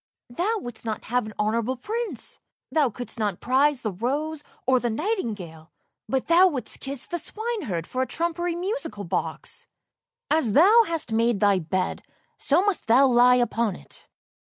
" Thou wouldst not have an honourable prince, thou couldst not prize the rose or the nightingale, but thou wouldst kiss the swineherd for a trumpery musical box! As thou hast made thy bed, so must thou lie upon it!